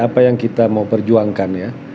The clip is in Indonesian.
apa yang kita mau perjuangkan ya